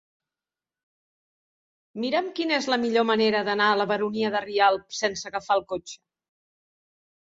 Mira'm quina és la millor manera d'anar a la Baronia de Rialb sense agafar el cotxe.